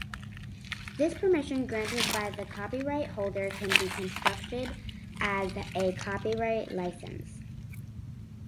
This permission granted by the copyright holder can be construed as a copyright license.